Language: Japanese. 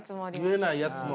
言えないやつも。